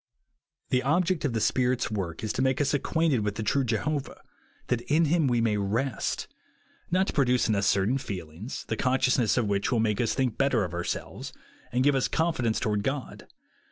The object of the Spirit's work is to make us acquainted Math the true Jehovah ; that in him we may rest ; not to produce OUR RESTANG rLACE. ^9 in us certain feelings, the consciousness of which will make us think better of our selves, and give us confidence toward God.